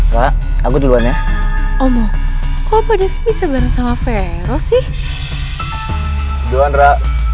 kak aku duluan ya omong omong kok pada bisa banget sama fero sih jualan ra